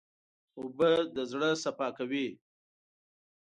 اوبه د زړه صفا کوي.